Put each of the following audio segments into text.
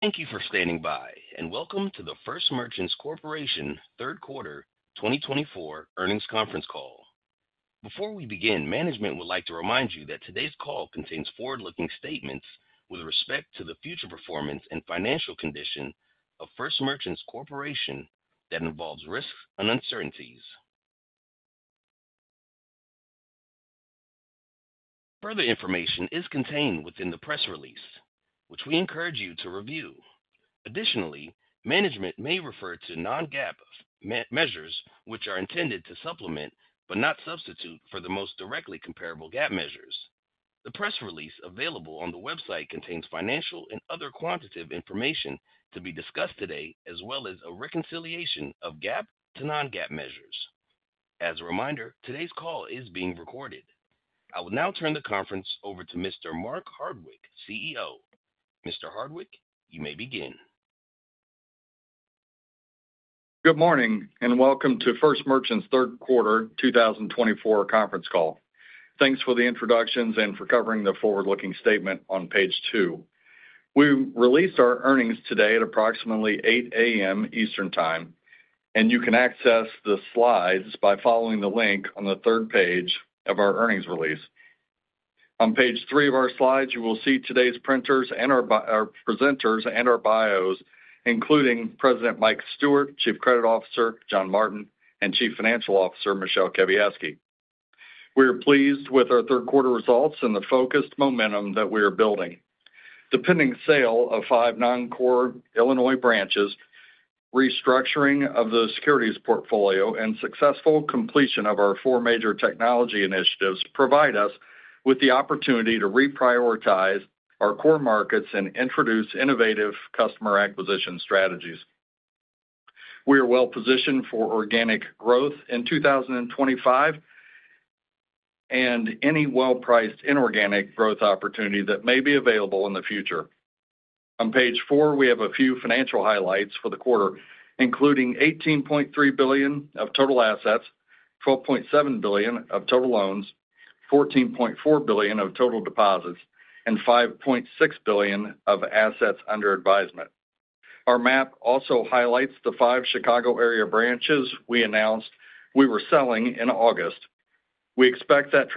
Thank you for standing by, and welcome to the First Merchants Corporation Third Quarter 2024 Earnings Conference Call. Before we begin, management would like to remind you that today's call contains forward-looking statements with respect to the future performance and financial condition of First Merchants Corporation that involves risks and uncertainties. Further information is contained within the press release, which we encourage you to review. Additionally, management may refer to non-GAAP measures, which are intended to supplement, but not substitute, for the most directly comparable GAAP measures. The press release available on the website contains financial and other quantitative information to be discussed today, as well as a reconciliation of GAAP to non-GAAP measures. As a reminder, today's call is being recorded. I will now turn the conference over to Mr. Mark Hardwick, CEO. Mr. Hardwick, you may begin. Good morning, and welcome to First Merchants Third Quarter 2024 Conference Call. Thanks for the introductions and for covering the forward-looking statement on Page two. We released our earnings today at approximately 8:00 A.M. Eastern Time, and you can access the slides by following the link on the third page of our earnings release. On page three of our slides, you will see today's presenters and our bios, including President Mike Stewart, Chief Credit Officer John Martin, and Chief Financial Officer Michele Kawiecki. We are pleased with our third quarter results and the focused momentum that we are building. The pending sale of five non-core Illinois branches, restructuring of the securities portfolio, and successful completion of our four major technology initiatives provide us with the opportunity to reprioritize our core markets and introduce innovative customer acquisition strategies. We are well positioned for organic growth in 2025 and any well-priced inorganic growth opportunity that may be available in the future. On Page four, we have a few financial highlights for the quarter, including $18.3 billion of total assets, $12.7 billion of total loans, $14.4 billion of total deposits, and $5.6 billion of assets under advisement. Our map also highlights the five Chicago area branches we announced we were selling in August. We expect that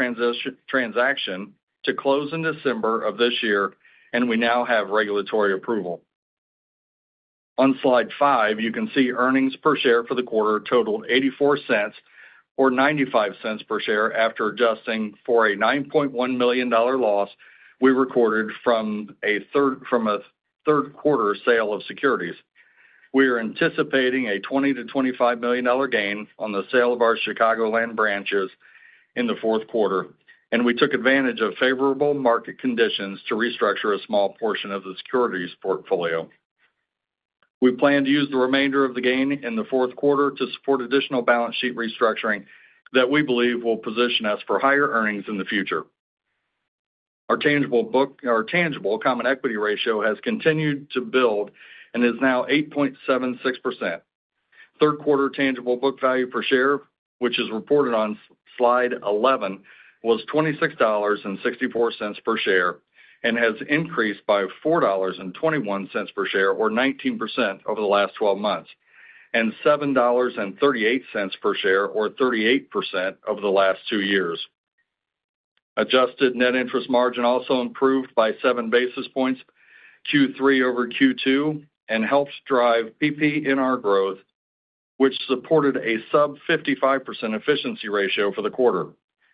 transaction to close in December of this year, and we now have regulatory approval. On Slide five, you can see earnings per share for the quarter totaled $0.84 or $0.95 per share, after adjusting for a $9.1 million loss we recorded from a third quarter sale of securities. We are anticipating a $20 million-$25 million gain on the sale of our Chicagoland branches in the fourth quarter, and we took advantage of favorable market conditions to restructure a small portion of the securities portfolio. We plan to use the remainder of the gain in the fourth quarter to support additional balance sheet restructuring that we believe will position us for higher earnings in the future. Our tangible book, our tangible common equity ratio has continued to build and is now 8.76%. Third quarter tangible book value per share, which is reported on Slide 11, was $26.64 per share and has increased by $4.21 per share, or 19%, over the last 12 months, and $7.38 per share, or 38%, over the last 2 years. Adjusted net interest margin also improved by seven basis points, Q3 over Q2, and helps drive PPNR growth, which supported a sub 55% efficiency ratio for the quarter.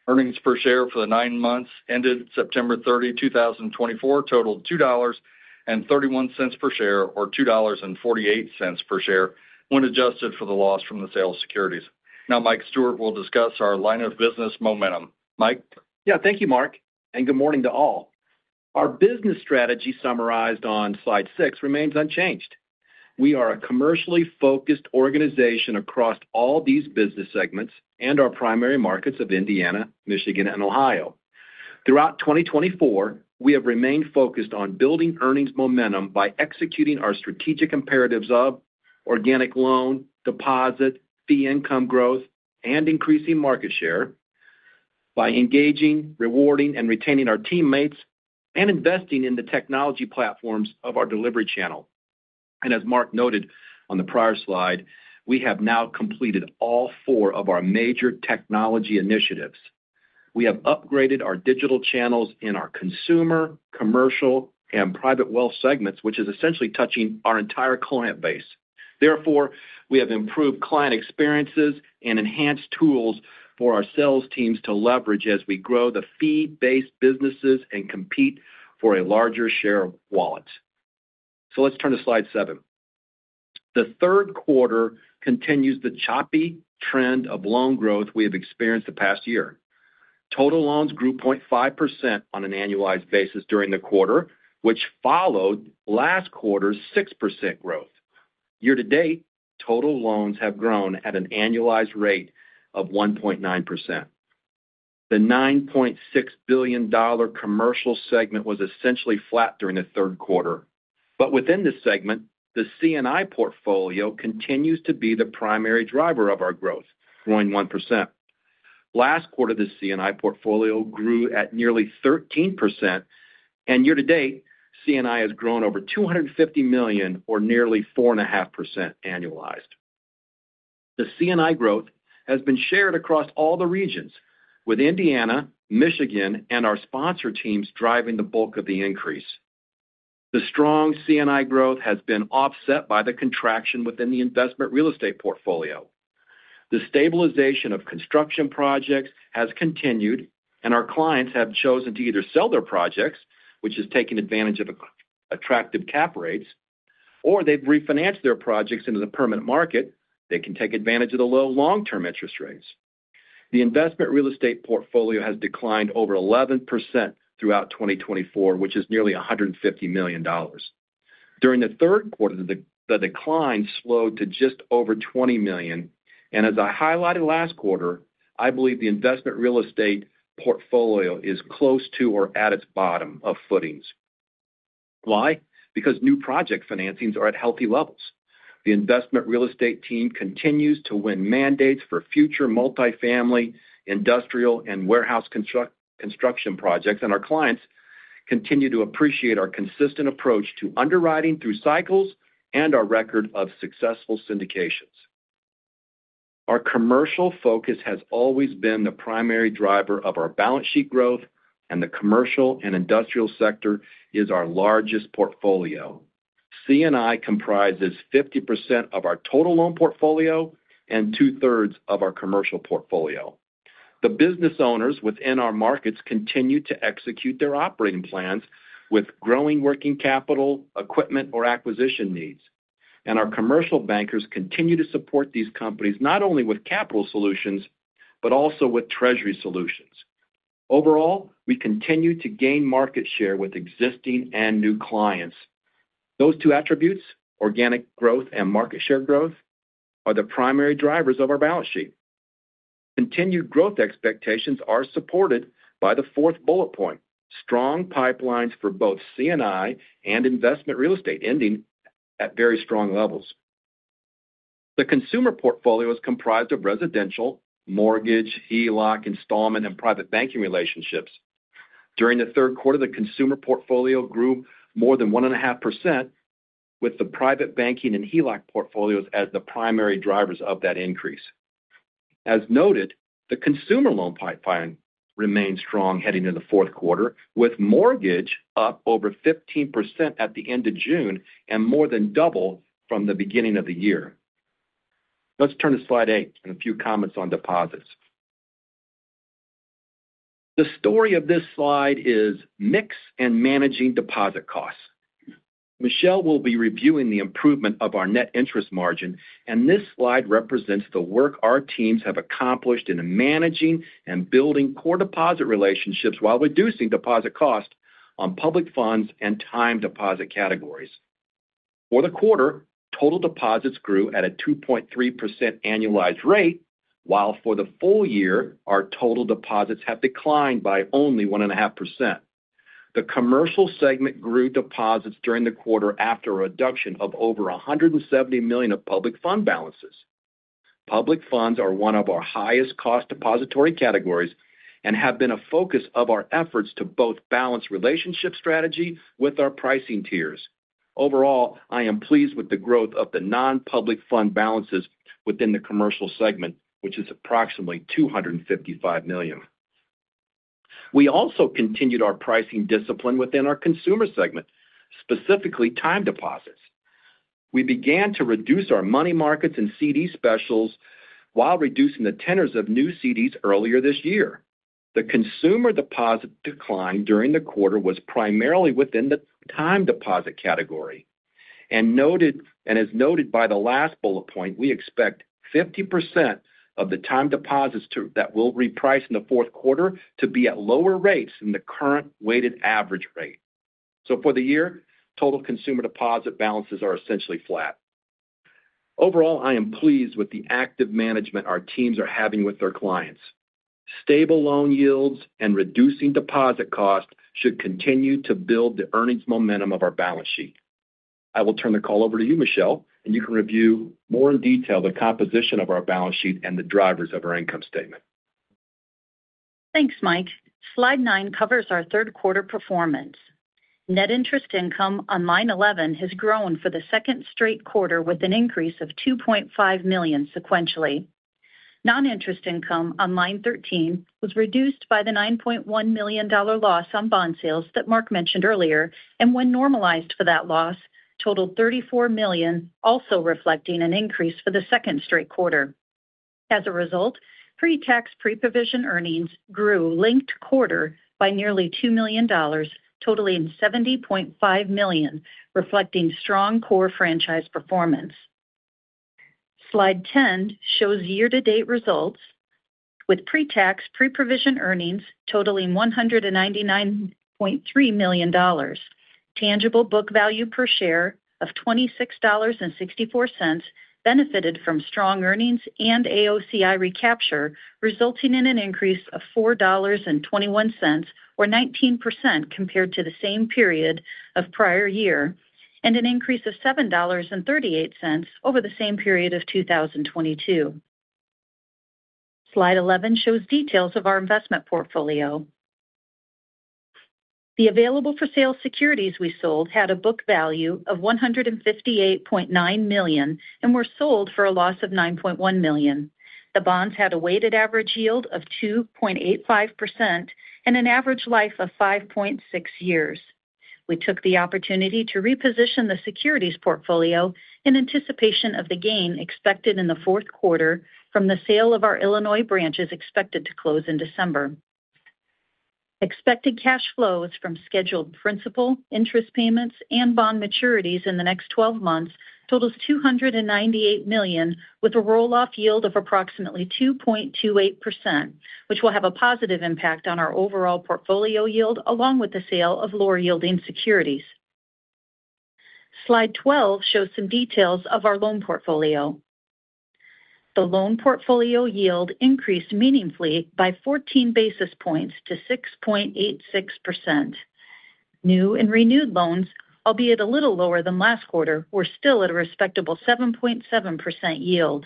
Earnings per share for the nine months ended September 30, 2024, totaled $2.31 per share or $2.48 per share when adjusted for the loss from the sale of securities. Now Mike Stewart will discuss our line of business momentum. Mike? Yeah, thank you, Mark, and good morning to all. Our business strategy, summarized on Slide six, remains unchanged. We are a commercially focused organization across all these business segments and our primary markets of Indiana, Michigan, and Ohio. Throughout 2024, we have remained focused on building earnings momentum by executing our strategic imperatives of organic loan, deposit, fee income growth, and increasing market share by engaging, rewarding, and retaining our teammates and investing in the technology platforms of our delivery channel, and as Mark noted on the prior slide, we have now completed all four of our major technology initiatives. We have upgraded our digital channels in our consumer, commercial, and private wealth segments, which is essentially touching our entire client base. Therefore, we have improved client experiences and enhanced tools for our sales teams to leverage as we grow the fee-based businesses and compete for a larger share of wallets. So let's turn to Slide seven. The third quarter continues the choppy trend of loan growth we have experienced the past year. Total loans grew 0.5% on an annualized basis during the quarter, which followed last quarter's 6% growth. Year-to-date, total loans have grown at an annualized rate of 1.9%. The $9.6 billion commercial segment was essentially flat during the third quarter, but within this segment, the C&I portfolio continues to be the primary driver of our growth, growing 1%.... Last quarter, the C&I portfolio grew at nearly 13%, and year-to-date, C&I has grown over $250 million or nearly 4.5% annualized. The C&I growth has been shared across all the regions, with Indiana, Michigan, and our sponsor teams driving the bulk of the increase. The strong C&I growth has been offset by the contraction within the investment real estate portfolio. The stabilization of construction projects has continued, and our clients have chosen to either sell their projects, which is taking advantage of attractive cap rates, or they've refinanced their projects into the permanent market. They can take advantage of the low long-term interest rates. The investment real estate portfolio has declined over 11% throughout 2024, which is nearly $150 million. During the third quarter, the decline slowed to just over $20 million, and as I highlighted last quarter, I believe the investment real estate portfolio is close to or at its bottom of footings. Why? Because new project financings are at healthy levels. The investment real estate team continues to win mandates for future multifamily, industrial, and warehouse construction projects, and our clients continue to appreciate our consistent approach to underwriting through cycles and our record of successful syndications. Our commercial focus has always been the primary driver of our balance sheet growth, and the commercial and industrial sector is our largest portfolio. C&I comprises 50% of our total loan portfolio and two-thirds of our commercial portfolio. The business owners within our markets continue to execute their operating plans with growing working capital, equipment, or acquisition needs. Our commercial bankers continue to support these companies, not only with capital solutions, but also with treasury solutions. Overall, we continue to gain market share with existing and new clients. Those two attributes, organic growth and market share growth, are the primary drivers of our balance sheet. Continued growth expectations are supported by the fourth bullet point, strong pipelines for both C&I and investment real estate, ending at very strong levels. The consumer portfolio is comprised of residential, mortgage, HELOC, installment, and private banking relationships. During the third quarter, the consumer portfolio grew more than 1.5%, with the private banking and HELOC portfolios as the primary drivers of that increase. As noted, the consumer loan pipeline remains strong heading into the fourth quarter, with mortgage up over 15% at the end of June and more than double from the beginning of the year. Let's turn to Slide eight and a few comments on deposits. The story of this slide is mix and managing deposit costs. Michele will be reviewing the improvement of our net interest margin, and this slide represents the work our teams have accomplished in managing and building core deposit relationships while reducing deposit costs on public funds and time deposit categories. For the quarter, total deposits grew at a 2.3% annualized rate, while for the full year, our total deposits have declined by only 1.5%. The commercial segment grew deposits during the quarter after a reduction of over 170 million of public fund balances. Public funds are one of our highest cost depository categories and have been a focus of our efforts to both balance relationship strategy with our pricing tiers. Overall, I am pleased with the growth of the non-public fund balances within the commercial segment, which is approximately 255 million. We also continued our pricing discipline within our consumer segment, specifically time deposits. We began to reduce our money markets and CD specials while reducing the tenors of new CDs earlier this year. The consumer deposit decline during the quarter was primarily within the time deposit category. And as noted by the last bullet point, we expect 50% of the time deposits that will reprice in the fourth quarter to be at lower rates than the current weighted average rate. For the year, total consumer deposit balances are essentially flat. Overall, I am pleased with the active management our teams are having with their clients. Stable loan yields and reducing deposit costs should continue to build the earnings momentum of our balance sheet. I will turn the call over to you, Michele, and you can review more in detail the composition of our balance sheet and the drivers of our income statement. Thanks, Mike. Slide nine covers our third quarter performance. Net interest income on line 11 has grown for the second straight quarter with an increase of $2.5 million sequentially. Non-interest income on line 13 was reduced by the $9.1 million loss on bond sales that Mark mentioned earlier, and when normalized for that loss, totaled $34 million, also reflecting an increase for the second straight quarter. As a result, pre-tax, pre-provision earnings grew linked quarter by nearly $2 million, totaling $70.5 million, reflecting strong core franchise performance. Slide 10 shows year-to-date results with pre-tax, pre-provision earnings totaling $199.3 million. Tangible book value per share of $26.64 benefited from strong earnings and AOCI recapture, resulting in an increase of $4.21, or 19% compared to the same period of prior year, and an increase of $7.38 over the same period of 2022. Slide 11 shows details of our investment portfolio. The available-for-sale securities we sold had a book value of $158.9 million and were sold for a loss of $9.1 million. The bonds had a weighted average yield of 2.85% and an average life of 5.6 years. We took the opportunity to reposition the securities portfolio in anticipation of the gain expected in the fourth quarter from the sale of our Illinois branches, expected to close in December. Expected cash flows from scheduled principal, interest payments, and bond maturities in the next 12 months totals $298 million, with a roll-off yield of approximately 2.28%, which will have a positive impact on our overall portfolio yield, along with the sale of lower-yielding securities. Slide 12 shows some details of our loan portfolio. The loan portfolio yield increased meaningfully by 14 basis points to 6.86%. New and renewed loans, albeit a little lower than last quarter, were still at a respectable 7.7% yield.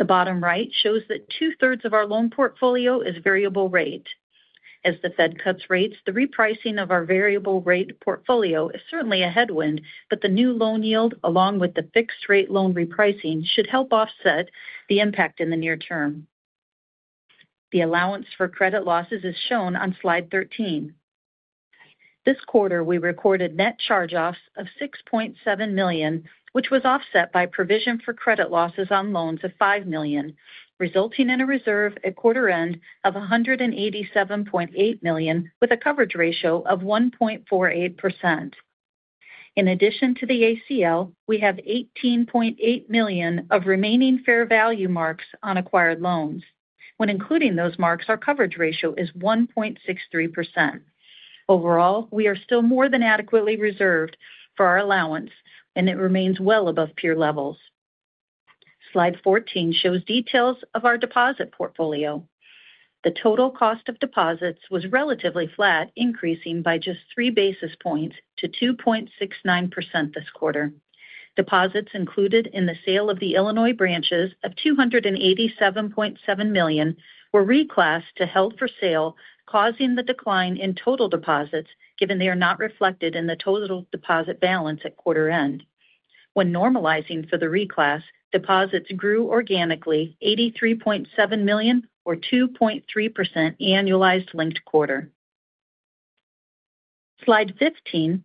The bottom right shows that two-thirds of our loan portfolio is variable rate. As the Fed cuts rates, the repricing of our variable rate portfolio is certainly a headwind, but the new loan yield, along with the fixed-rate loan repricing, should help offset the impact in the near term. The allowance for credit losses is shown on Slide 13. This quarter, we recorded net charge-offs of $6.7 million, which was offset by provision for credit losses on loans of $5 million, resulting in a reserve at quarter end of $187.8 million, with a coverage ratio of 1.48%. In addition to the ACL, we have $18.8 million of remaining fair value marks on acquired loans. When including those marks, our coverage ratio is 1.63%. Overall, we are still more than adequately reserved for our allowance, and it remains well above peer levels. Slide 14 shows details of our deposit portfolio. The total cost of deposits was relatively flat, increasing by just three basis points to 2.69% this quarter. Deposits included in the sale of the Illinois branches of $287.7 million were reclassed to held for sale, causing the decline in total deposits, given they are not reflected in the total deposit balance at quarter end. When normalizing for the reclass, deposits grew organically $83.7 million or 2.3% annualized linked quarter. Slide 15,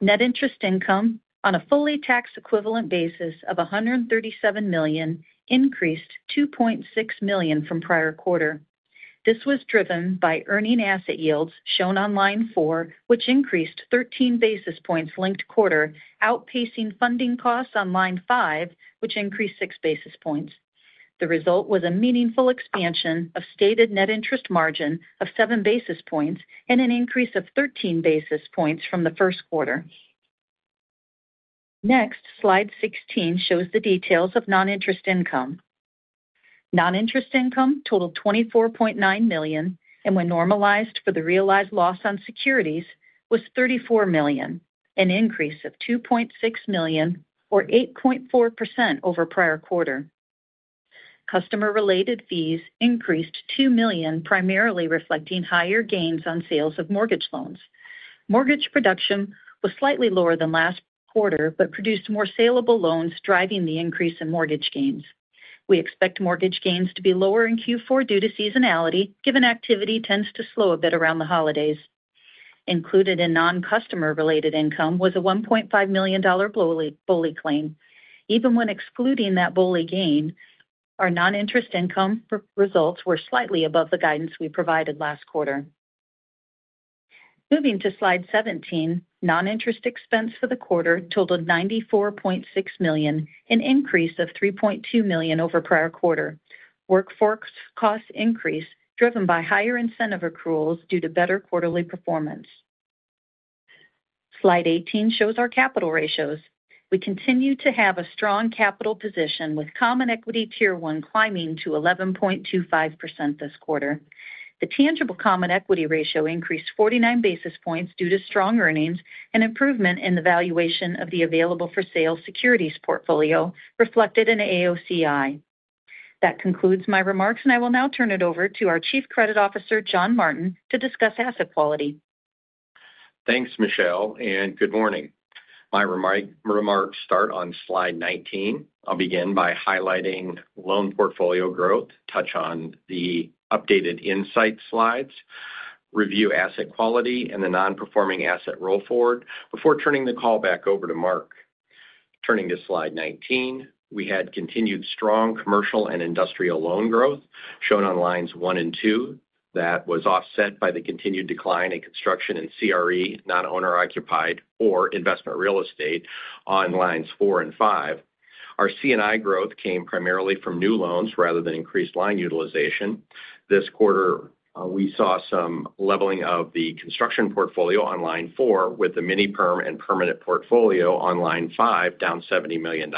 net interest income on a fully tax-equivalent basis of $137 million increased $2.6 million from prior quarter. This was driven by earning asset yields shown on line four, which increased 13 basis points linked quarter, outpacing funding costs on line five, which increased 6 basis points. The result was a meaningful expansion of stated net interest margin of 7 basis points and an increase of 13 basis points from the first quarter. Next, Slide 16 shows the details of non-interest income. Non-interest income totaled $24.9 million, and when normalized for the realized loss on securities, was $34 million, an increase of $2.6 million or 8.4% over prior quarter. Customer-related fees increased $2 million, primarily reflecting higher gains on sales of mortgage loans. Mortgage production was slightly lower than last quarter, but produced more saleable loans, driving the increase in mortgage gains. We expect mortgage gains to be lower in Q4 due to seasonality, given activity tends to slow a bit around the holidays. Included in non-customer related income was a $1.5 million BOLI claim. Even when excluding that BOLI gain, our non-interest income results were slightly above the guidance we provided last quarter. Moving to Slide 17, non-interest expense for the quarter totaled $94.6 million, an increase of $3.2 million over prior quarter. Workforce cost increase driven by higher incentive accruals due to better quarterly performance. Slide 18 shows our capital ratios. We continue to have a strong capital position with common equity Tier 1 climbing to 11.25% this quarter. The tangible common equity ratio increased 49 basis points due to strong earnings and improvement in the valuation of the available-for-sale securities portfolio, reflected in AOCI. That concludes my remarks, and I will now turn it over to our Chief Credit Officer, John Martin, to discuss asset quality. Thanks, Michele, and good morning. My remarks start on Slide 19. I'll begin by highlighting loan portfolio growth, touch on the updated insight slides, review asset quality and the non-performing asset roll forward before turning the call back over to Mark. Turning to Slide 19, we had continued strong commercial and industrial loan growth shown on lines one and two. That was offset by the continued decline in construction and CRE, non-owner occupied or investment real estate, on lines four and five. Our C&I growth came primarily from new loans rather than increased line utilization. This quarter, we saw some leveling of the construction portfolio on line four, with the mini-perm and permanent portfolio on line five, down $70 million.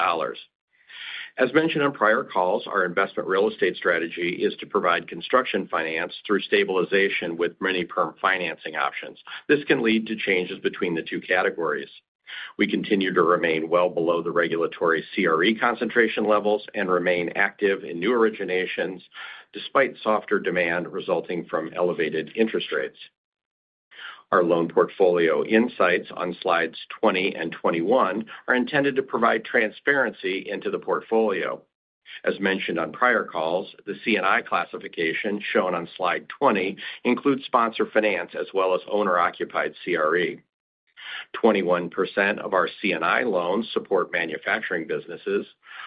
As mentioned on prior calls, our investment real estate strategy is to provide construction finance through stabilization with mini-perm financing options. This can lead to changes between the two categories. We continue to remain well below the regulatory CRE concentration levels and remain active in new originations despite softer demand resulting from elevated interest rates. Our loan portfolio insights on Slides 20 and 21 are intended to provide transparency into the portfolio. As mentioned on prior calls, the C&I classification, shown on Slide 20, includes sponsor finance as well as owner-occupied CRE. 21% of our C&I loans support manufacturing businesses.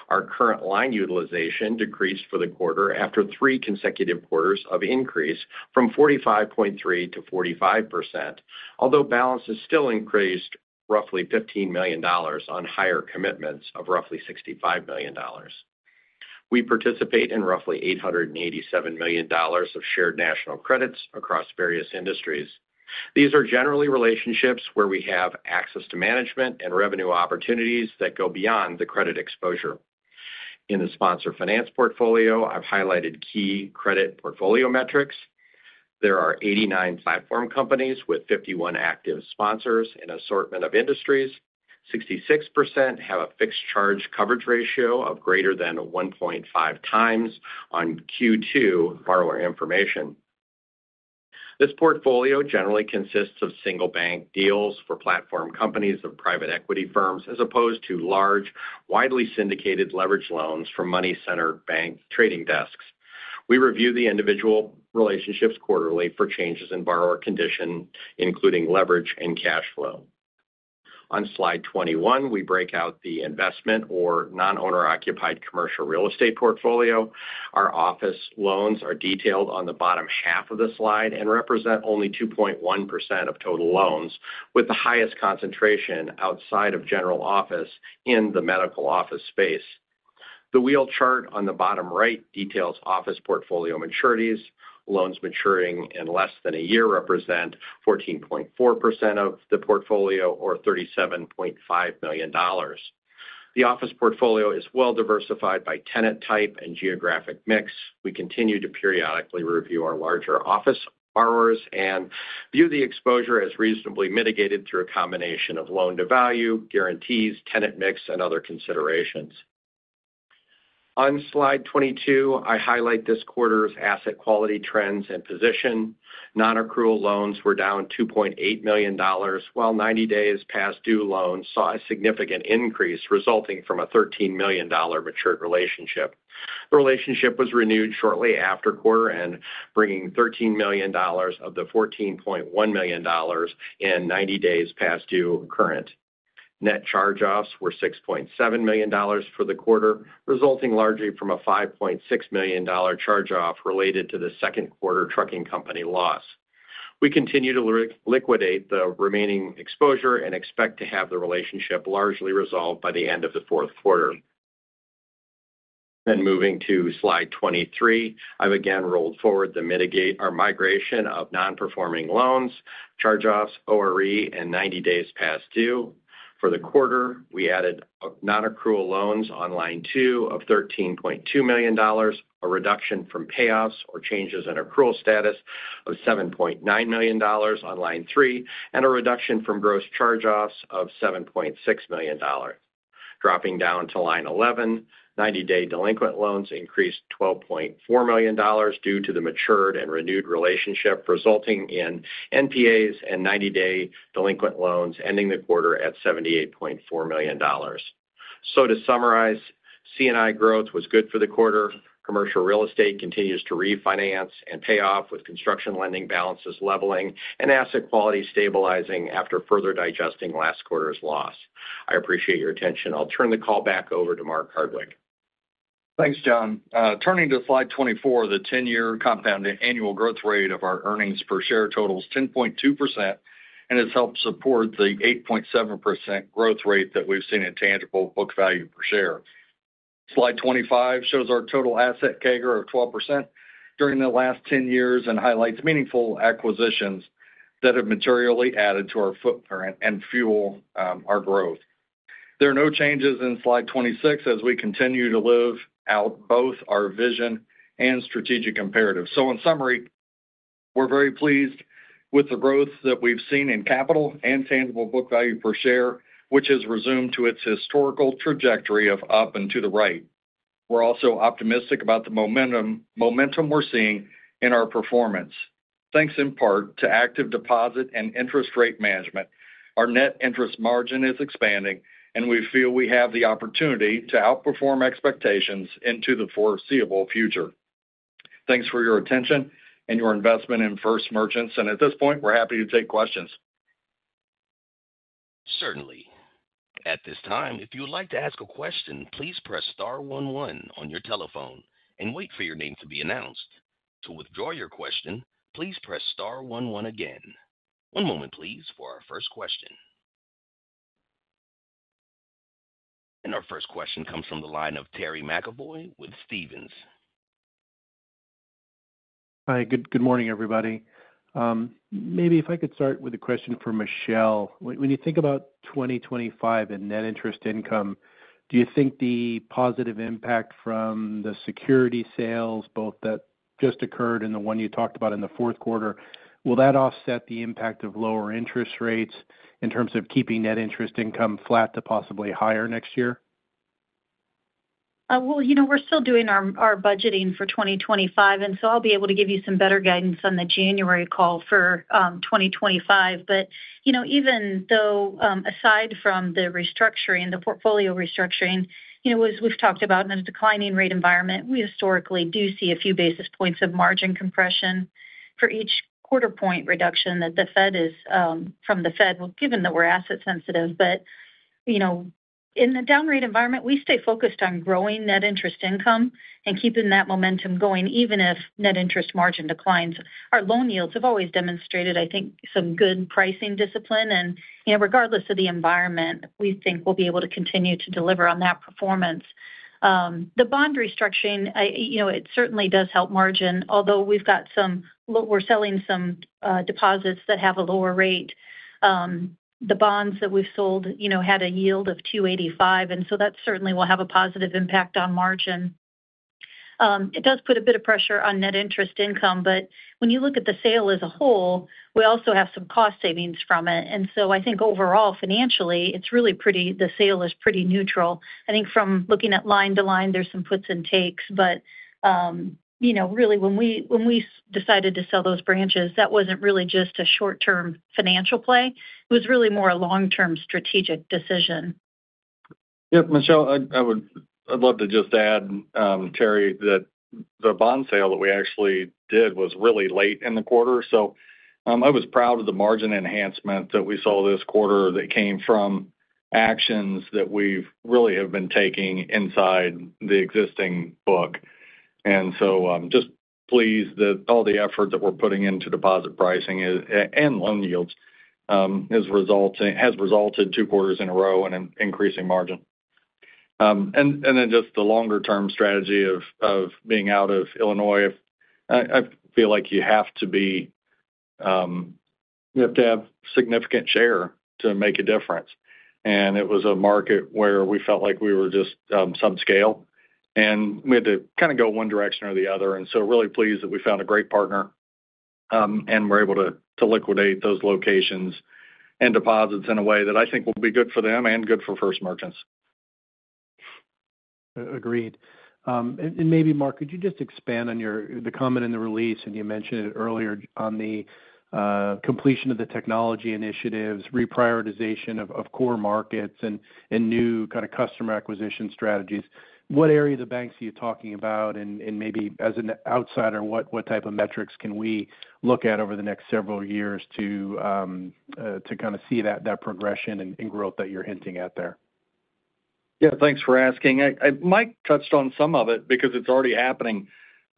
Our current line utilization decreased for the quarter after three consecutive quarters of increase from 45.3%-45%, although balances still increased roughly $15 million on higher commitments of roughly $65 million. We participate in roughly $887 million of shared national credits across various industries. These are generally relationships where we have access to management and revenue opportunities that go beyond the credit exposure. In the sponsor finance portfolio, I've highlighted key credit portfolio metrics. There are 89 platform companies with 51 active sponsors in an assortment of industries. 66% have a fixed charge coverage ratio of greater than 1.5 times on Q2 borrower information. This portfolio generally consists of single-bank deals for platform companies of private equity firms, as opposed to large, widely syndicated leveraged loans from money center bank trading desks. We review the individual relationships quarterly for changes in borrower condition, including leverage and cash flow. On Slide 21, we break out the investment or non-owner-occupied commercial real estate portfolio. Our office loans are detailed on the bottom half of the slide and represent only 2.1% of total loans, with the highest concentration outside of general office in the medical office space. The wheel chart on the bottom right details office portfolio maturities. Loans maturing in less than a year represent 14.4% of the portfolio or $37.5 million. The office portfolio is well-diversified by tenant type and geographic mix. We continue to periodically review our larger office borrowers and view the exposure as reasonably mitigated through a combination of loan-to-value, guarantees, tenant mix, and other considerations. On Slide 22, I highlight this quarter's asset quality trends and position. Nonaccrual loans were down $2.8 million, while 90 days past due loans saw a significant increase, resulting from a $13 million matured relationship. The relationship was renewed shortly after quarter end, bringing $13 million of the $14.1 million in 90 days past due current. Net charge-offs were $6.7 million for the quarter, resulting largely from a $5.6 million charge-off related to the second quarter trucking company loss. We continue to liquidate the remaining exposure and expect to have the relationship largely resolved by the end of the fourth quarter, then moving to Slide 23, I've again rolled forward the migration of nonperforming loans, charge-offs, ORE, and ninety days past due. For the quarter, we added nonaccrual loans on line two of $13.2 million, a reduction from payoffs or changes in accrual status of $7.9 million on line three, and a reduction from gross charge-offs of $7.6 million. Dropping down to line 11, ninety-day delinquent loans increased $12.4 million due to the matured and renewed relationship, resulting in NPAs and ninety-day delinquent loans, ending the quarter at $78.4 million. So to summarize, C&I growth was good for the quarter. Commercial real estate continues to refinance and pay off, with construction lending balances leveling and asset quality stabilizing after further digesting last quarter's loss. I appreciate your attention. I'll turn the call back over to Mark Hardwick. Thanks, John. Turning to Slide 24, the 10-year compounded annual growth rate of our earnings per share totals 10.2%, and it's helped support the 8.7% growth rate that we've seen in tangible book value per share. Slide 25 shows our total asset CAGR of 12% during the last 10 years and highlights meaningful acquisitions that have materially added to our footprint and fuel our growth. There are no changes in Slide 26 as we continue to live out both our vision and strategic imperatives. So in summary, we're very pleased with the growth that we've seen in capital and tangible book value per share, which has resumed to its historical trajectory of up and to the right. We're also optimistic about the momentum we're seeing in our performance. Thanks in part to active deposit and interest rate management, our net interest margin is expanding, and we feel we have the opportunity to outperform expectations into the foreseeable future. Thanks for your attention and your investment in First Merchants, and at this point, we're happy to take questions. Certainly. At this time, if you would like to ask a question, please press star one one on your telephone and wait for your name to be announced. To withdraw your question, please press star one one again. One moment, please, for our first question. And our first question comes from the line of Terry McEvoy with Stephens. Hi, good, good morning, everybody. Maybe if I could start with a question for Michele. When you think about 2025 and net interest income, do you think the positive impact from the security sales, both that just occurred and the one you talked about in the fourth quarter, will that offset the impact of lower interest rates in terms of keeping net interest income flat to possibly higher next year? You know, we're still doing our budgeting for 2025, and so I'll be able to give you some better guidance on the January call for 2025, but you know, even though aside from the restructuring, the portfolio restructuring, you know, as we've talked about in a declining rate environment, we historically do see a few basis points of margin compression for each quarter point reduction from the Fed, well, given that we're asset sensitive, but you know, in the down rate environment, we stay focused on growing net interest income and keeping that momentum going, even if net interest margin declines. Our loan yields have always demonstrated, I think, some good pricing discipline, and you know, regardless of the environment, we think we'll be able to continue to deliver on that performance. The bond restructuring, you know, it certainly does help margin, although we've got some. We're selling some deposits that have a lower rate. The bonds that we've sold, you know, had a yield of 2.85, and so that certainly will have a positive impact on margin. It does put a bit of pressure on net interest income, but when you look at the sale as a whole, we also have some cost savings from it. And so I think overall, financially, it's really pretty neutral. I think from looking at line to line, there's some puts and takes, but, you know, really, when we decided to sell those branches, that wasn't really just a short-term financial play. It was really more a long-term strategic decision. Yep, Michele, I would—I'd love to just add, Terry, that the bond sale that we actually did was really late in the quarter. So, I was proud of the margin enhancement that we saw this quarter that came from actions that we've really have been taking inside the existing book. And so, I'm just pleased that all the effort that we're putting into deposit pricing is and loan yields has resulted two quarters in a row in an increasing margin. And then just the longer-term strategy of being out of Illinois. I feel like you have to be, you have to have significant share to make a difference. And it was a market where we felt like we were just subscale, and we had to kind of go one direction or the other. And so, really pleased that we found a great partner, and we're able to liquidate those locations and deposits in a way that I think will be good for them and good for First Merchants. Agreed. And maybe, Mark, could you just expand on the comment in the release, and you mentioned it earlier, on the completion of the technology initiatives, reprioritization of core markets and new kind of customer acquisition strategies. What areas of banks are you talking about? And maybe as an outsider, what type of metrics can we look at over the next several years to kind of see that progression and growth that you're hinting at there? Yeah, thanks for asking. Mike touched on some of it because it's already happening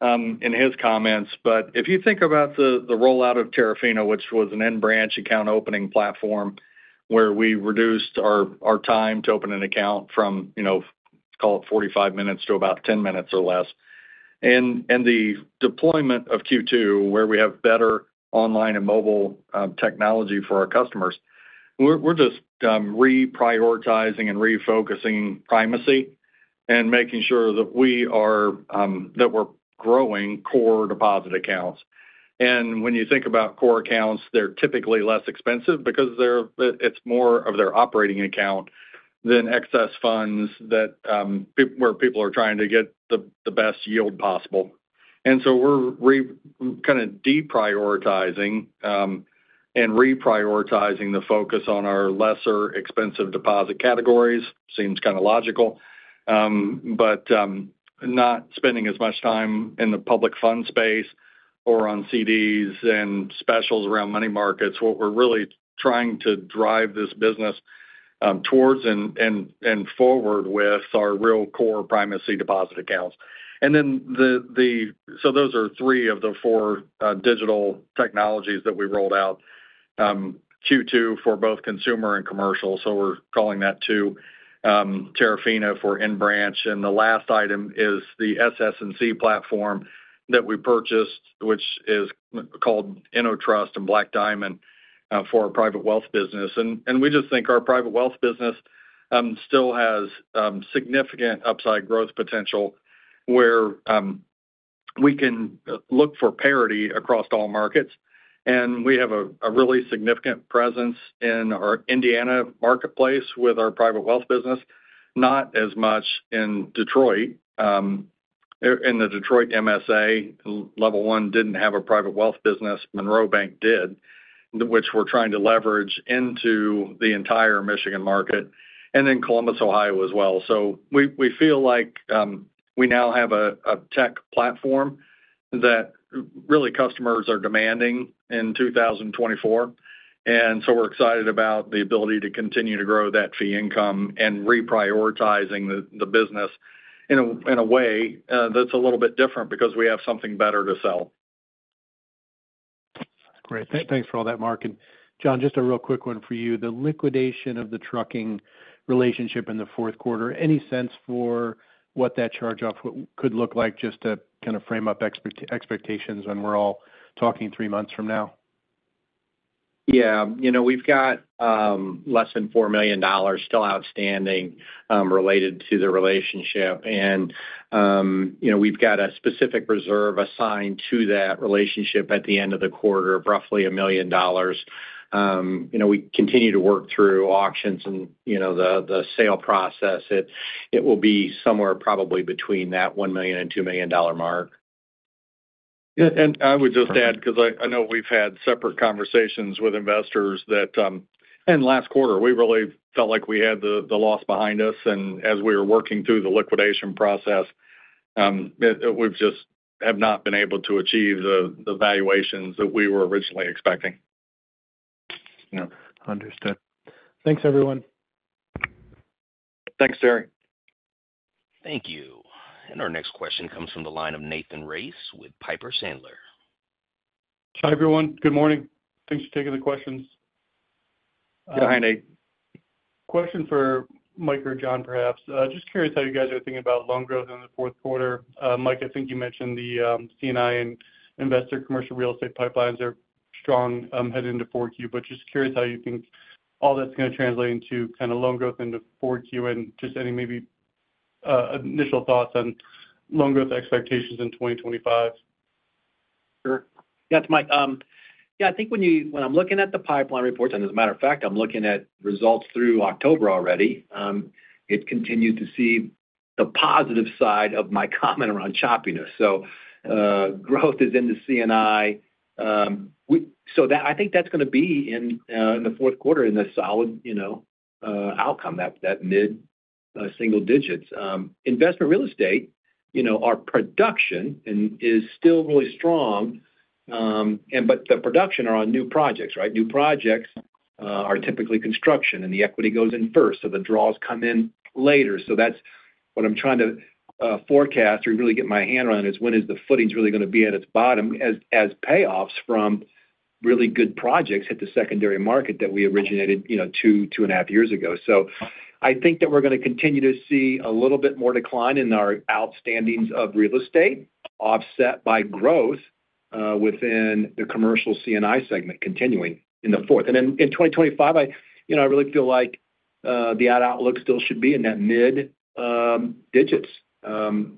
in his comments. But if you think about the rollout of Terafina, which was an in-branch account opening platform, where we reduced our time to open an account from, you know, call it 45 minutes to about 10 minutes or less, and the deployment of Q2, where we have better online and mobile technology for our customers, we're just reprioritizing and refocusing primacy and making sure that we are that we're growing core deposit accounts. When you think about core accounts, they're typically less expensive because they're, it's more of their operating account than excess funds that where people are trying to get the best yield possible. And so we're kind of deprioritizing and reprioritizing the focus on our less expensive deposit categories. Seems kind of logical. But not spending as much time in the public fund space or on CDs and specials around money markets. What we're really trying to drive this business towards and forward with are real core primary deposit accounts. And then so those are three of the four digital technologies that we rolled out, Q2 for both consumer and commercial, so we're calling that two, Terafina for in-branch, and the last item is the SS&C platform that we purchased, which is called InnoTrust and Black Diamond for our private wealth business. And we just think our private wealth business still has significant upside growth potential, where we can look for parity across all markets. And we have a really significant presence in our Indiana marketplace with our private wealth business, not as much in Detroit. In the Detroit MSA, Level One didn't have a private wealth business. Monroe Bank did, which we're trying to leverage into the entire Michigan market, and then Columbus, Ohio, as well. So we feel like we now have a tech platform that really customers are demanding in 2024, and so we're excited about the ability to continue to grow that fee income and reprioritizing the business in a way that's a little bit different because we have something better to sell. ... Great. Thanks for all that, Mark. And John, just a real quick one for you. The liquidation of the trucking relationship in the fourth quarter, any sense for what that charge-off could look like, just to kind of frame up expectations when we're all talking three months from now? Yeah. You know, we've got less than $4 million still outstanding related to the relationship, and you know, we've got a specific reserve assigned to that relationship at the end of the quarter of roughly $1 million. You know, we continue to work through auctions and you know, the sale process. It will be somewhere probably between that $1 million and $2 million mark. Yeah, and I would just add, because I know we've had separate conversations with investors that. And last quarter, we really felt like we had the loss behind us, and as we were working through the liquidation process, we've just have not been able to achieve the valuations that we were originally expecting. Yeah, understood. Thanks, everyone. Thanks, Terry. Thank you. And our next question comes from the line of Nathan Race with Piper Sandler. Hi, everyone. Good morning. Thanks for taking the questions. Go ahead, Nate. Question for Mike or John, perhaps. Just curious how you guys are thinking about loan growth in the fourth quarter. Mike, I think you mentioned the C&I and investment commercial real estate pipelines are strong, heading into 4Q. But just curious how you think all that's going to translate into kind of loan growth into 4Q, and just any maybe initial thoughts on loan growth expectations in 2025. Sure. Yeah, it's Mike. Yeah, I think when I'm looking at the pipeline reports, and as a matter of fact, I'm looking at results through October already, it continues to see the positive side of my comment around choppiness. So, growth is in the C&I. I think that's going to be in the fourth quarter, in a solid, you know, outcome, that mid single digits. Investment real estate, you know, our production is still really strong, and but the production are on new projects, right? New projects are typically construction, and the equity goes in first, so the draws come in later. So that's what I'm trying to forecast or really get my hand around, is when the footing's really going to be at its bottom, as payoffs from really good projects hit the secondary market that we originated, you know, two, two and a half years ago. So I think that we're going to continue to see a little bit more decline in our outstandings of real estate, offset by growth within the commercial C&I segment, continuing in the fourth. And then in 2025, you know, I really feel like the outlook still should be in that mid digits. Is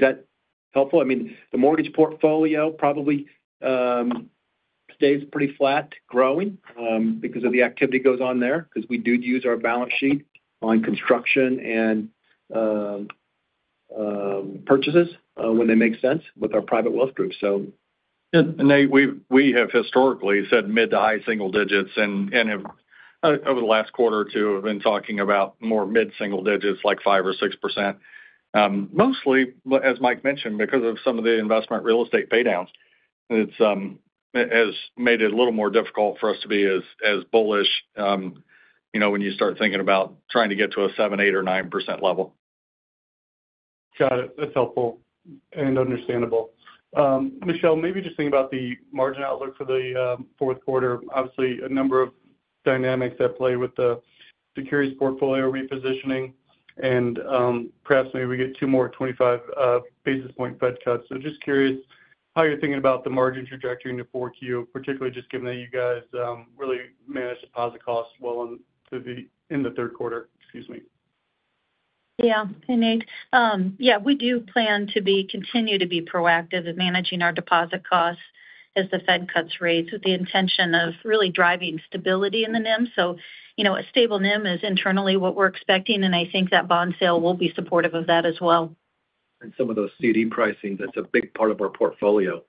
that helpful? I mean, the mortgage portfolio probably stays pretty flat, growing, because of the activity goes on there, because we do use our balance sheet on construction and purchases, when they make sense with our private wealth group, so. Nate, we have historically said mid- to high-single digits, and have, over the last quarter or two, been talking about more mid-single digits, like 5% or 6%. Mostly, as Mike mentioned, because of some of the investment real estate pay downs. It has made it a little more difficult for us to be as bullish, you know, when you start thinking about trying to get to a 7%, 8%, or 9% level. Got it. That's helpful and understandable. Michele, maybe just thinking about the margin outlook for the fourth quarter. Obviously, a number of dynamics at play with the securities portfolio repositioning and perhaps maybe we get two more 25 basis point Fed cuts. So just curious how you're thinking about the margin trajectory into 4Q, particularly just given that you guys really managed deposit costs well in the third quarter, excuse me. Yeah. Hey, Nate. Yeah, we do plan to continue to be proactive in managing our deposit costs as the Fed cuts rates, with the intention of really driving stability in the NIM. So you know, a stable NIM is internally what we're expecting, and I think that bond sale will be supportive of that as well. Some of those CD pricing, that's a big part of our portfolio.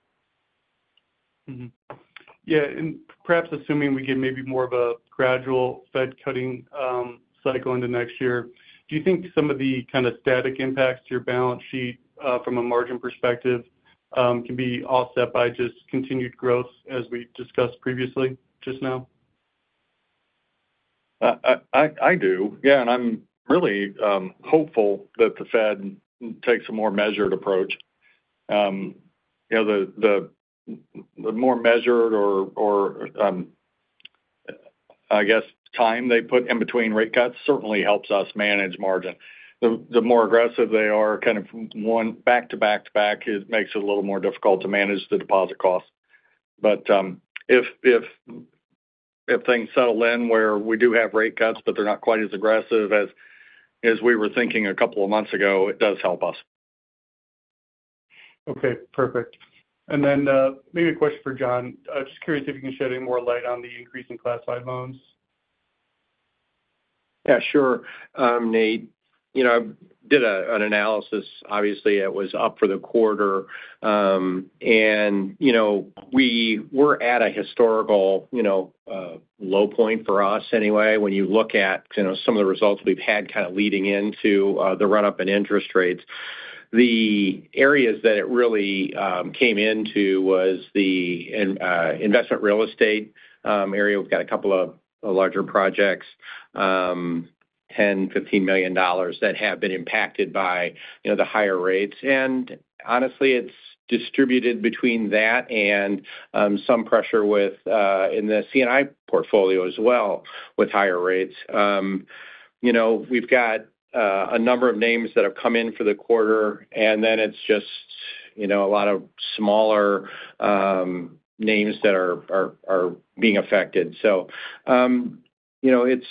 Mm-hmm. Yeah, and perhaps assuming we get maybe more of a gradual Fed cutting cycle into next year, do you think some of the kind of static impacts to your balance sheet from a margin perspective can be offset by just continued growth, as we discussed previously, just now? I do. Yeah, and I'm really hopeful that the Fed takes a more measured approach. You know, the more measured or I guess time they put in between rate cuts certainly helps us manage margin. The more aggressive they are, kind of one back-to-back-to-back, it makes it a little more difficult to manage the deposit costs. But if things settle in where we do have rate cuts, but they're not quite as aggressive as we were thinking a couple of months ago, it does help us. Okay, perfect. And then, maybe a question for John. I'm just curious if you can shed any more light on the increase in class five loans? Yeah, sure, Nate. You know, I did an analysis. Obviously, it was up for the quarter, and you know, we were at a historical, you know, low point for us, anyway. When you look at, you know, some of the results we've had kind of leading into, the run-up in interest rates, the areas that it really came into was the investment real estate area. We've got a couple of larger projects.... $10 million-$15 million that have been impacted by, you know, the higher rates, and honestly, it's distributed between that and some pressure within the C&I portfolio as well, with higher rates. You know, we've got a number of names that have come in for the quarter, and then it's just, you know, a lot of smaller names that are being affected, so you know, it's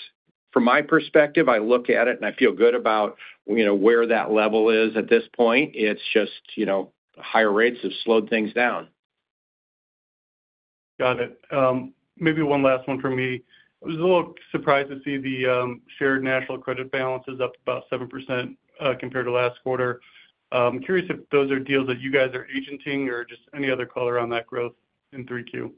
from my perspective, I look at it, and I feel good about, you know, where that level is at this point. It's just, you know, higher rates have slowed things down. Got it. Maybe one last one for me. I was a little surprised to see the Shared National Credit balance is up about 7% compared to last quarter. I'm curious if those are deals that you guys are agenting or just any other color on that growth in 3Q.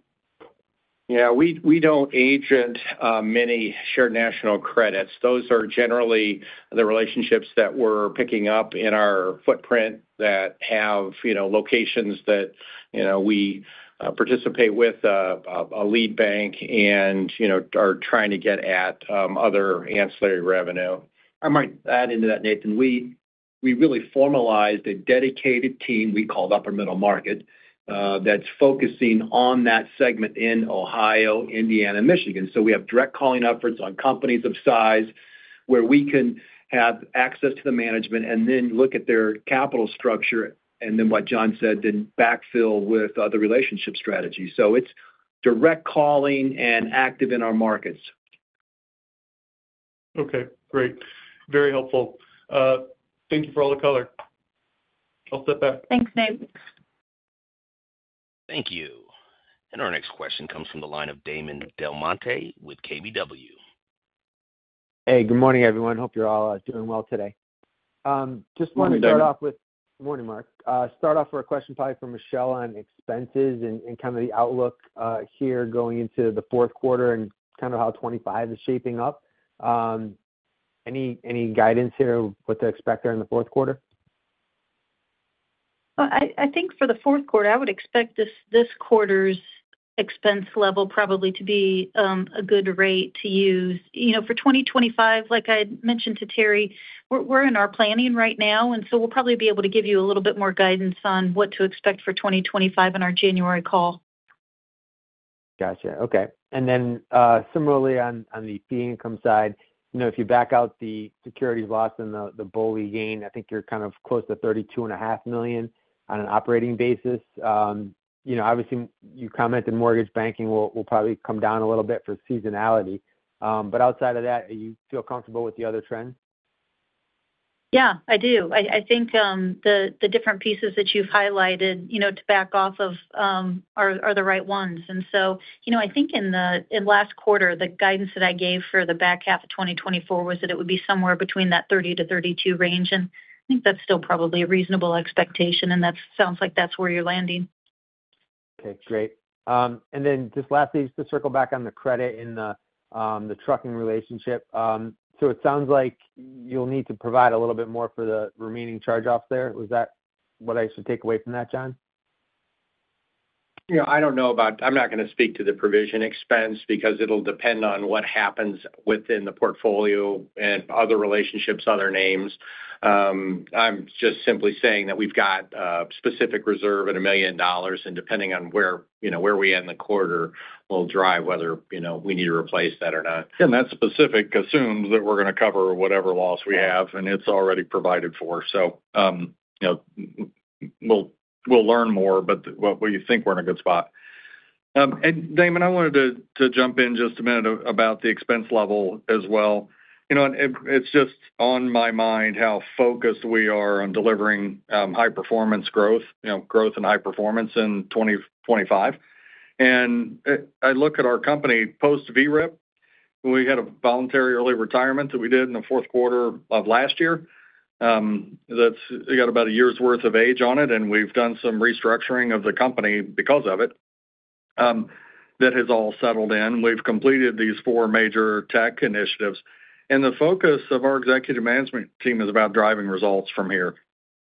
Yeah, we don't agent many shared national credits. Those are generally the relationships that we're picking up in our footprint that have, you know, locations that, you know, we participate with a lead bank and, you know, are trying to get at other ancillary revenue. I might add into that, Nathan. We really formalized a dedicated team we called upper middle market that's focusing on that segment in Ohio, Indiana, and Michigan. So we have direct calling efforts on companies of size, where we can have access to the management and then look at their capital structure, and then what John said, then backfill with other relationship strategies. So it's direct calling and active in our markets. Okay, great. Very helpful. Thank you for all the color. I'll step back. Thanks, Nate. Thank you. And our next question comes from the line of Damon DelMonte with KBW. Hey, good morning, everyone. Hope you're all doing well today. Just want to start off with- Good morning, Damon. Good morning, Mark. Start off with a question probably for Michele on expenses and kind of the outlook here going into the fourth quarter and kind of how 2025 is shaping up. Any guidance here, what to expect there in the fourth quarter? I think for the fourth quarter, I would expect this quarter's expense level probably to be a good rate to use. You know, for 2025, like I had mentioned to Terry, we're in our planning right now, and so we'll probably be able to give you a little bit more guidance on what to expect for 2025 in our January call. Gotcha. Okay. And then, similarly, on the fee income side, you know, if you back out the securities loss and the BOLI gain, I think you're kind of close to $32.5 million on an operating basis. You know, obviously, you commented mortgage banking will probably come down a little bit for seasonality. But outside of that, do you feel comfortable with the other trends? Yeah, I do. I think the different pieces that you've highlighted, you know, to back off of, are the right ones. And so, you know, I think in last quarter, the guidance that I gave for the back half of 2024 was that it would be somewhere between that 30 to 32 range, and I think that's still probably a reasonable expectation, and that sounds like that's where you're landing. Okay, great. And then just lastly, just to circle back on the credit and the trucking relationship. So it sounds like you'll need to provide a little bit more for the remaining charge-offs there. Was that what I should take away from that, John? You know, I'm not gonna speak to the provision expense because it'll depend on what happens within the portfolio and other relationships, other names. I'm just simply saying that we've got a specific reserve at $1 million, and depending on where, you know, where we end the quarter, will drive whether, you know, we need to replace that or not. That specific assumes that we're gonna cover whatever loss we have, and it's already provided for. You know, we'll learn more, but we think we're in a good spot. Damon, I wanted to jump in just a minute about the expense level as well. You know, it's just on my mind how focused we are on delivering high performance growth, you know, growth and high performance in 2025. I look at our company post-VRIP. We had a voluntary early retirement that we did in the fourth quarter of last year. That's got about a year's worth of age on it, and we've done some restructuring of the company because of it, that has all settled in. We've completed these four major tech initiatives, and the focus of our executive management team is about driving results from here.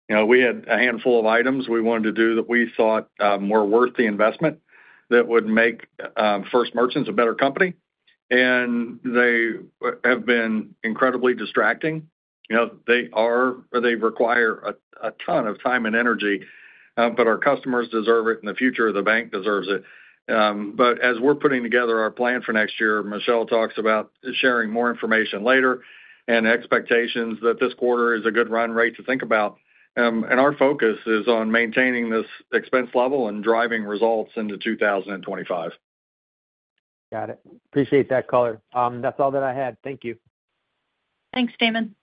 You know, we had a handful of items we wanted to do that we thought were worth the investment that would make First Merchants a better company, and they have been incredibly distracting. You know, they are. They require a ton of time and energy, but our customers deserve it, and the future of the bank deserves it, but as we're putting together our plan for next year, Michele talks about sharing more information later and expectations that this quarter is a good run rate to think about, and our focus is on maintaining this expense level and driving results into 2025. Got it. Appreciate that color. That's all that I had. Thank you. Thanks, Damon.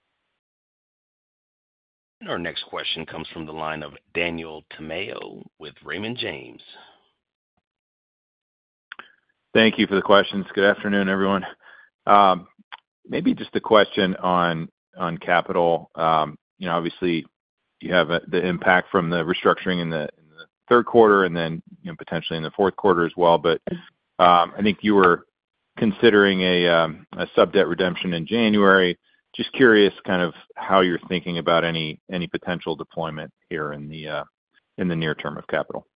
Our next question comes from the line of Daniel Tamayo with Raymond James. Thank you for the questions. Good afternoon, everyone. Maybe just a question on capital. You know, obviously, you have the impact from the restructuring in the third quarter and then, you know, potentially in the fourth quarter as well. But I think you were considering a sub-debt redemption in January. Just curious kind of how you're thinking about any potential deployment here in the near term of capital?...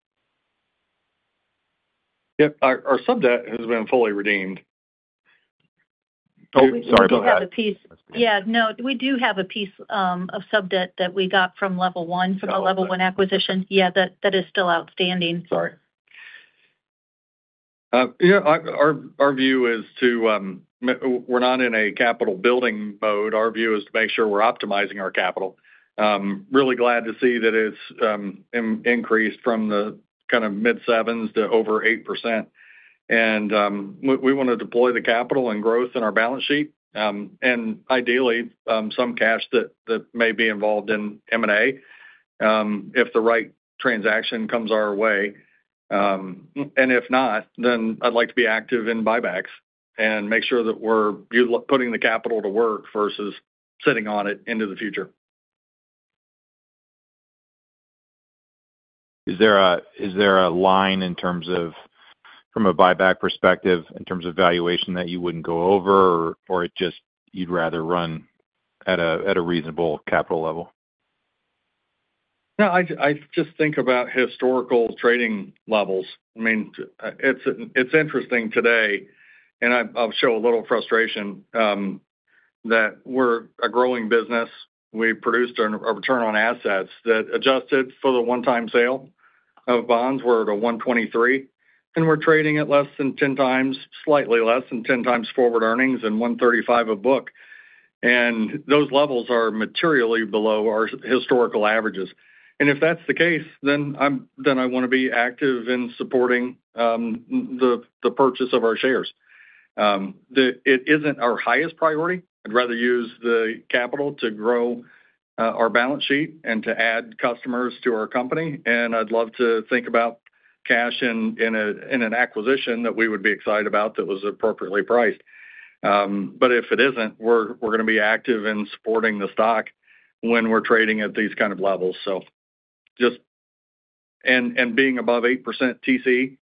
Yep, our sub-debt has been fully redeemed. Oh, sorry, go ahead. We do have a piece. Yeah, no, we do have a piece of sub-debt that we got from Level One, from the Level One acquisition. Yeah, that, that is still outstanding. Sorry. Yeah, our view is we're not in a capital building mode. Our view is to make sure we're optimizing our capital. Really glad to see that it's increased from the kind of mid-sevens to over 8%. We want to deploy the capital and growth in our balance sheet, and ideally, some cash that may be involved in M&A, if the right transaction comes our way. And if not, then I'd like to be active in buybacks and make sure that we're putting the capital to work versus sitting on it into the future. Is there a line in terms of, from a buyback perspective, in terms of valuation that you wouldn't go over, or it just you'd rather run at a reasonable capital level? No, I just think about historical trading levels. I mean, it's interesting today, and I'll show a little frustration that we're a growing business. We produced a return on assets that adjusted for the one-time sale of bonds. We're at a 1.23, and we're trading at less than 10x, slightly less than 10x forward earnings and 1.35 a book, and those levels are materially below our historical averages, and if that's the case, then I want to be active in supporting the purchase of our shares. It isn't our highest priority. I'd rather use the capital to grow our balance sheet and to add customers to our company, and I'd love to think about cash in an acquisition that we would be excited about that was appropriately priced. But if it isn't, we're going to be active in supporting the stock when we're trading at these kind of levels. So just... And being above 8% TCE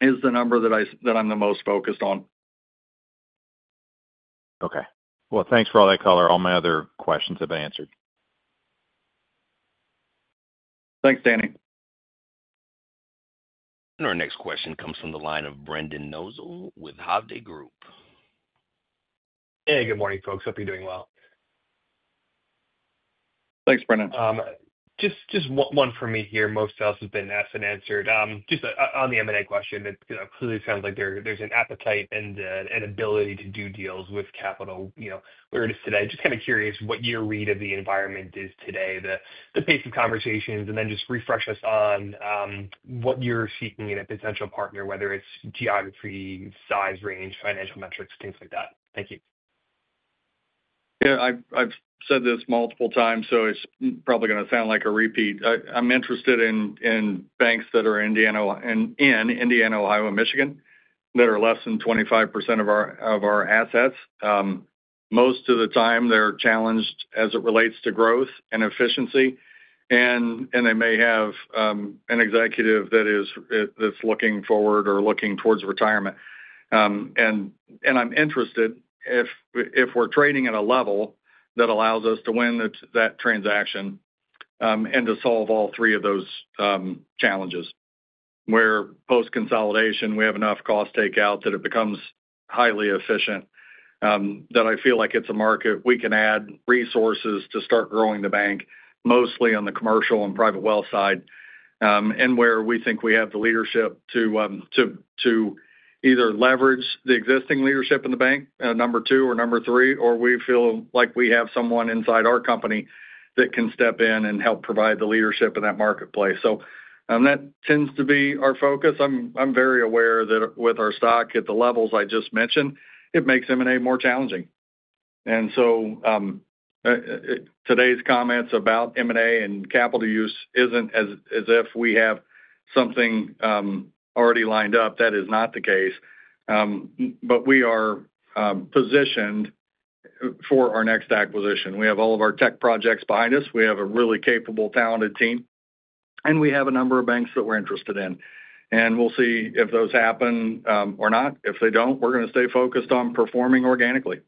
is the number that I'm the most focused on. Okay. Well, thanks for all that, color. All my other questions have answered. Thanks, Danny. Our next question comes from the line of Brendan Nosal with Hovde Group. Hey, good morning, folks. Hope you're doing well. Thanks, Brendan. Just one for me here. Most of us have been asked and answered. On the M&A question, clearly sounds like there's an appetite and an ability to do deals with capital, you know, where it is today. Just kind of curious what your read of the environment is today, the pace of conversations, and then just refresh us on what you're seeking in a potential partner, whether it's geography, size, range, financial metrics, things like that. Thank you. Yeah, I've said this multiple times, so it's probably going to sound like a repeat. I'm interested in banks that are in Indiana, Ohio, and Michigan, that are less than 25% of our assets. Most of the time, they're challenged as it relates to growth and efficiency, and they may have an executive that's looking forward or looking towards retirement. And I'm interested if we're trading at a level that allows us to win that transaction, and to solve all three of those challenges, where post-consolidation, we have enough cost takeout that it becomes highly efficient, that I feel like it's a market we can add resources to start growing the bank, mostly on the commercial and private wealth side. And where we think we have the leadership to either leverage the existing leadership in the bank, number two or number three, or we feel like we have someone inside our company that can step in and help provide the leadership in that marketplace. So, that tends to be our focus. I'm very aware that with our stock at the levels I just mentioned, it makes M&A more challenging. And so, today's comments about M&A and capital use isn't as if we have something already lined up. That is not the case. But we are positioned for our next acquisition. We have all of our tech projects behind us. We have a really capable, talented team, and we have a number of banks that we're interested in. And we'll see if those happen, or not. If they don't, we're going to stay focused on performing organically.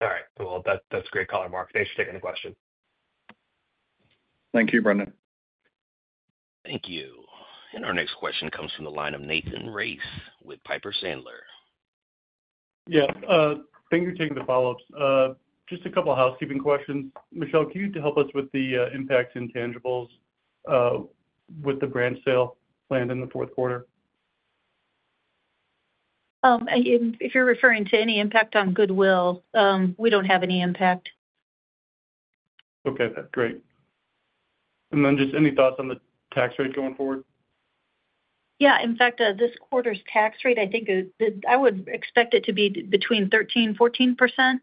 All right. Cool. That, that's great, color Mark. Thanks for taking the question. Thank you, Brendan. Thank you. And our next question comes from the line of Nathan Race with Piper Sandler. Yeah, thank you for taking the follow-ups. Just a couple of housekeeping questions. Michele, can you help us with the impact intangibles with the branch sale planned in the fourth quarter? If you're referring to any impact on goodwill, we don't have any impact. Okay, great. And then just any thoughts on the tax rate going forward? Yeah, in fact, this quarter's tax rate, I think is, the-- I would expect it to be between 13%-14%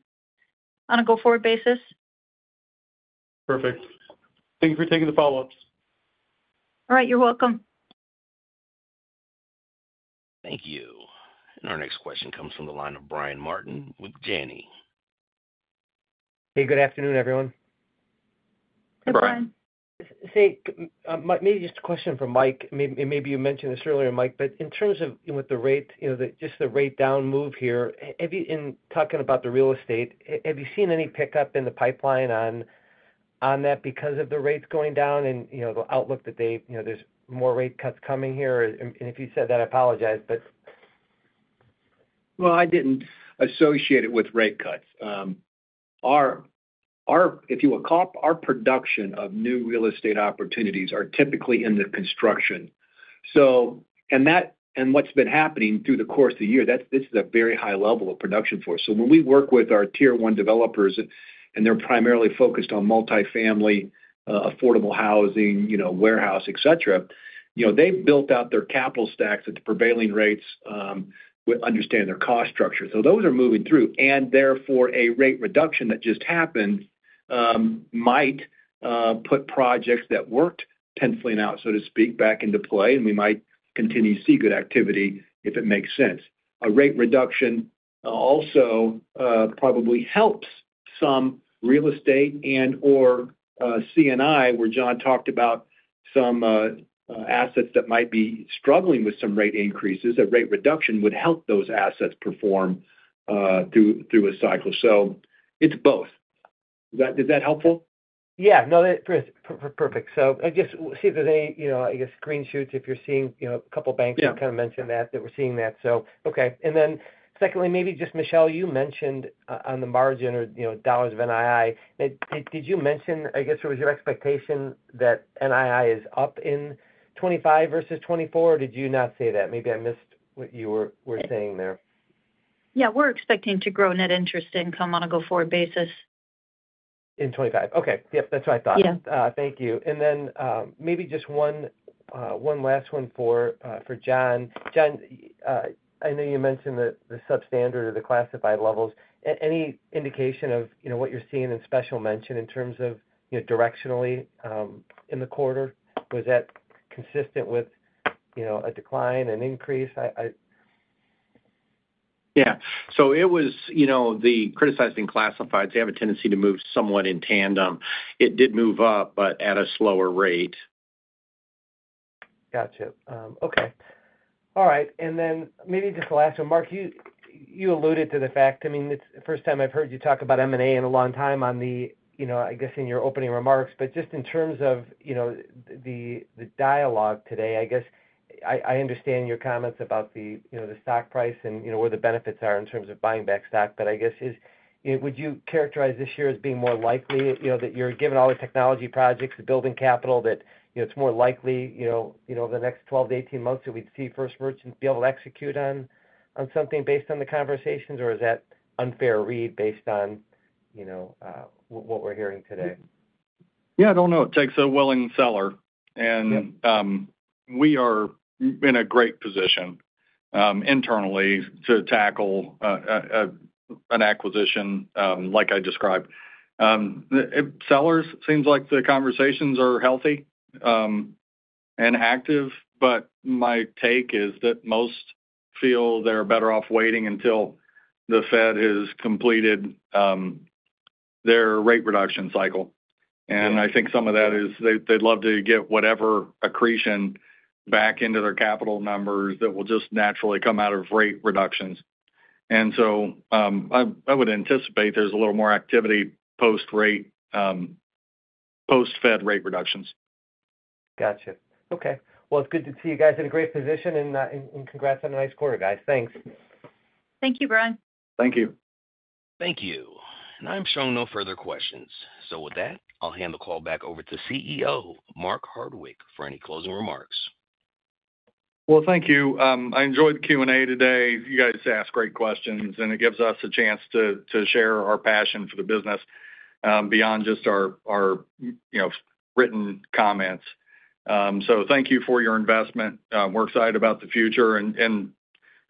on a go-forward basis. Perfect. Thank you for taking the follow-ups. All right, you're welcome. Thank you. And our next question comes from the line of Brian Martin with Janney. Hey, good afternoon, everyone. Hey, Brian. Brian. Say, maybe just a question for Mike. Maybe you mentioned this earlier, Mike, but in terms of with the rate, you know, the rate down move here, have you in talking about the real estate, have you seen any pickup in the pipeline on that because of the rates going down and, you know, the outlook that they, you know, there's more rate cuts coming here? And if you said that, I apologize, but. I didn't associate it with rate cuts. Our production of new real estate opportunities are typically in the construction. So, what's been happening through the course of the year, that's. This is a very high level of production for us. So when we work with our tier one developers, and they're primarily focused on multifamily, affordable housing, you know, warehouse, et cetera, you know, they've built out their capital stacks at the prevailing rates, with understanding their cost structure. So those are moving through, and therefore, a rate reduction that just happened, might put projects that weren't penciling out, so to speak, back into play, and we might continue to see good activity if it makes sense. A rate reduction also probably helps some real estate and or C&I, where John talked about some assets that might be struggling with some rate increases. A rate reduction would help those assets perform through a cycle. So it's both. Is that helpful? Yeah. No, that's perfect. So I guess we'll see if they, you know, I guess, green shoots, if you're seeing, you know, a couple banks- Yeah... kind of mention that, that we're seeing that. So, okay. And then secondly, maybe just Michele, you mentioned on the margin or, you know, dollars of NII. Did you mention, I guess, it was your expectation that NII is up in 2025 versus 2024, or did you not say that? Maybe I missed what you were saying there. Yeah, we're expecting to grow net interest income on a go-forward basis. In 2025. Okay. Yep, that's what I thought. Yeah. Thank you. And then, maybe just one last one for John. John, I know you mentioned that the substandard or the classified levels. Any indication of, you know, what you're seeing in special mention in terms of, you know, directionally in the quarter? Was that consistent with, you know, a decline, an increase? I, I- Yeah. So it was, you know, the criticized classifieds, they have a tendency to move somewhat in tandem. It did move up, but at a slower rate. Gotcha. Okay. All right, and then maybe just the last one. Mark, you alluded to the fact, I mean, it's the first time I've heard you talk about M&A in a long time on the, you know, I guess, in your opening remarks. But just in terms of, you know, the dialogue today, I guess I understand your comments about the, you know, the stock price and, you know, where the benefits are in terms of buying back stock. But I guess, would you characterize this year as being more likely, you know, that you're given all the technology projects, the building capital, that, you know, it's more likely, you know, over the next 12-18 months, that we'd see First Merchants be able to execute on something based on the conversations? Or is that unfair read based on, you know, what we're hearing today? Yeah, I don't know. It takes a willing seller, and- Yeah... we are in a great position, internally to tackle, an acquisition, like I described. Sellers, seems like the conversations are healthy, and active, but my take is that most feel they're better off waiting until the Fed has completed, their rate reduction cycle. Yeah. And I think some of that is they'd love to get whatever accretion back into their capital numbers that will just naturally come out of rate reductions. And so, I would anticipate there's a little more activity post-rate, post-Fed rate reductions. Gotcha. Okay. Well, it's good to see you guys in a great position, and congrats on a nice quarter, guys. Thanks. Thank you, Brian. Thank you. Thank you. And I'm showing no further questions. So with that, I'll hand the call back over to CEO, Mark Hardwick, for any closing remarks. Well, thank you. I enjoyed the Q&A today. You guys ask great questions, and it gives us a chance to, to share our passion for the business, beyond just our, our, you know, written comments. So thank you for your investment. We're excited about the future, and, and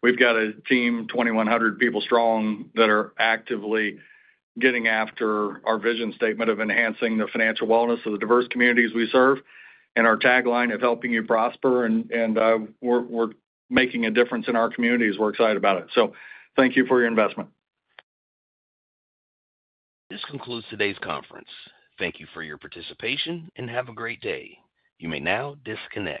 we've got a team, 2,100 people strong, that are actively getting after our vision statement of enhancing the financial wellness of the diverse communities we serve, and our tagline of helping you prosper, and, and, we're, we're making a difference in our communities. We're excited about it. So thank you for your investment. This concludes today's conference. Thank you for your participation, and have a great day. You may now disconnect.